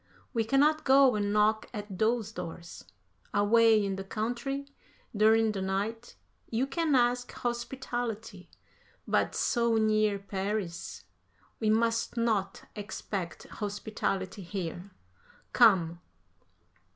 We cannot go and knock at those doors. Away in the country, during the night, you can ask hospitality, but so near Paris ... we must not expect hospitality here. Come."